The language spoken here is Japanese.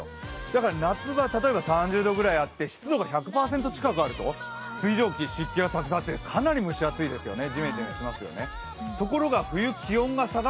だから夏場、例えば３０度ぐらいあって湿度が１００％近くあると、水蒸気、湿気がたくさんあってかなり蒸し暑いですよね。